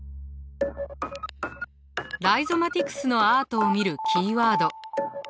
ライゾマティクスのアートを見るキーワード。